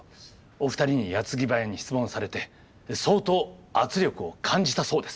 お二人に矢継ぎ早に質問されて相当圧力を感じたそうです。